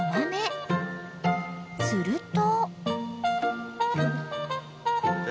［すると］